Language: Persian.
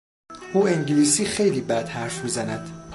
او انگلیسی خیلی بد حرف میزند.